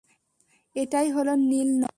এটাই হলো নীল নদ।